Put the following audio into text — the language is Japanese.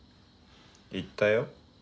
行ったよ。